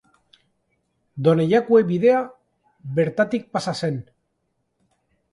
Donejakue Bidea bertatik pasa zen.